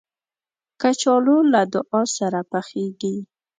کچالو له دعا سره پخېږي